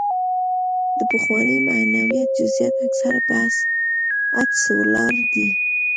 د پخواني معنویت جزیات اکثره په حدس ولاړ دي.